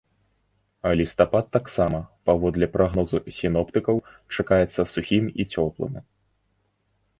Лістапад таксама, паводле прагнозу сіноптыкаў, чакаецца сухім і цёплым.